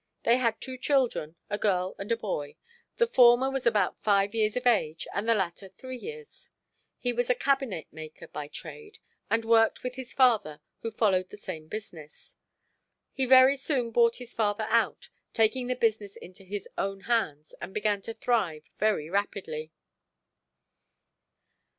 They had two children—a girl and a boy; the former was about five years of age and the latter three years. He was a cabinet maker by trade and worked with his father who followed the same business. He very soon bought his father out, taking the business into his own hands, and began to thrive very rapidly.